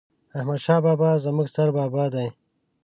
احمد شاه بابا ﺯموږ ستر بابا دي